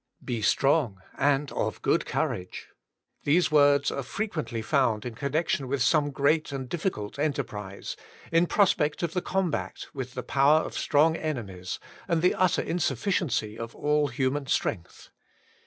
*Be strong and of good courage/ These words are frequently found in connection with some great and difficult enterprise, in prospect of the combat with the power of strong enemies, and the utter insufficiency of all human strength.